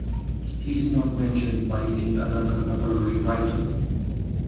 He is not mentioned by any other contemporary writer.